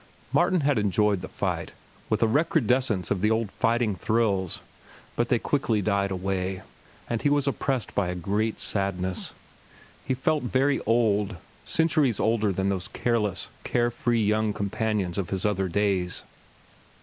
Martin had enjoyed the fight, with a recrudescence of the old fighting thrills. But they quickly died away, and he was oppressed by a great sadness. He felt very old—centuries older than those careless, care free young companions of his others days.